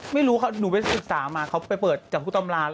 ไม่รู้เค้าหนูไปศึกษามาเค้าไปเปิดจากธุรกรรมราช